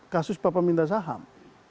kasus papa minta saham